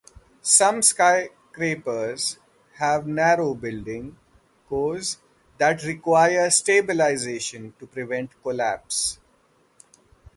Some skyscrapers have narrow building cores that require stabilization to prevent collapse.